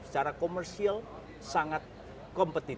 secara komersial sangat kompetitif